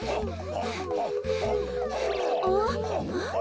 あっ？